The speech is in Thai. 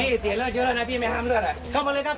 พี่เสียเลือดเยอะแล้วนะพี่ไม่ห้ามเลือด